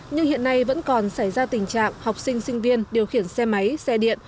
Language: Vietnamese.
nhưng hiện nay vẫn còn xảy ra tình trạng học sinh sinh viên điều khiển xe máy xe điện